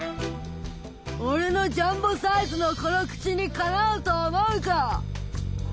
「俺のジャンボサイズのこの口にかなうと思うか！」。